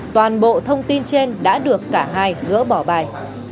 toàn bộ thông tin trên đã được cả hai gỡ bỏ bài